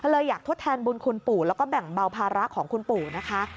เลยอยากทดแทนบุญคุณปู่แล้วก็แบ่งเบาภาระของคุณปู่นะคะ